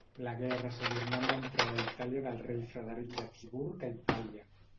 La guerra s'ajornà amb l'entrada a Itàlia del rei Frederic d'Habsburg a Itàlia.